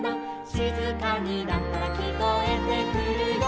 「しずかになったらきこえてくるよ」